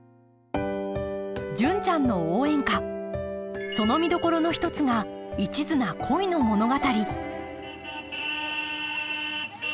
「純ちゃんの応援歌」その見どころの一つが一途な恋の物語